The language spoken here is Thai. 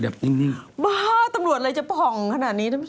บ้าตำรวจอะไรจะผ่องขนาดนี้